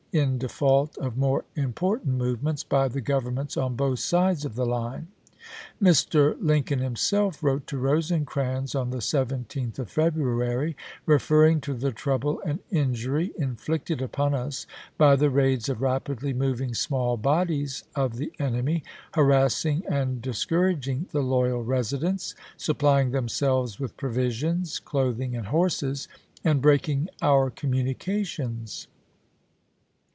in default of more important movements by the governments on both sides of the line. Mr. Lin coln himself wrote to Rosecrans on the 17th of February, referring to the trouble and injury in flicted upon us by the raids of rapidly moving small bodies of the enemy, harassing and discour aging the loyal residents, supplying themselves with provisions, clothing, and horses, and breaking our communications.